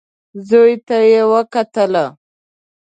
زوی ته يې وکتل.